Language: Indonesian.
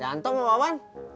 yanto mau awan